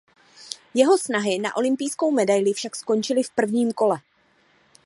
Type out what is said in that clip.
Jeho snahy na olympijskou medaili však skončily v prvním kole.